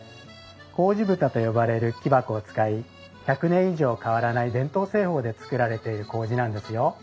麹蓋と呼ばれる木箱を使い１００年以上変わらない伝統製法で作られている麹なんですよ。